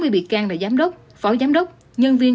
tám mươi bị cang là giám đốc phó giám đốc nhân viên